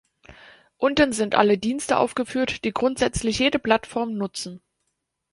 Unten sind alle Dienste aufgeführt, die grundsätzlich jede Plattform nutzen.